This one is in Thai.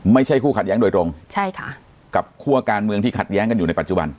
ไม่ใช่คู่ขัดแย้งโดยตรงใช่ค่ะกับคั่วการเมืองที่ขัดแย้งกันอยู่ในปัจจุบัน